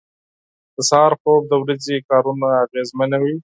• د سهار خوب د ورځې کارونه اغېزمنوي.